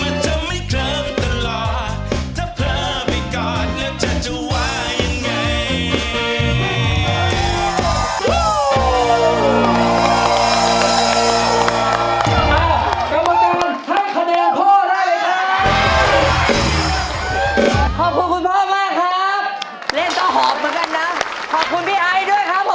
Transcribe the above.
มันจะไม่เคลิ่มตลอด